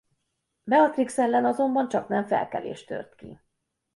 Beatrix ellen azonban csaknem felkelés tört ki.